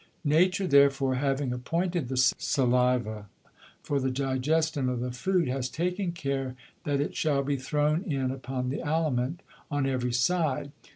Nature therefore having appointed the Saliva for the digestion of the Food, has taken care that it shall be thrown in upon the Aliment on every side.